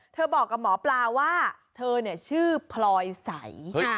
บอกกับหมอปลาว่าเธอชื่อพลอยใส